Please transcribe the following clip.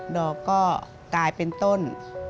แล้วก็กายเป็นต้น